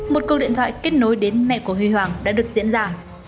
một câu điện thoại kết nối đến mẹ của huy hoàng đã được diễn ra